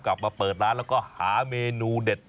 กลับมาเปิดร้านแล้วก็หาเมนูเด็ด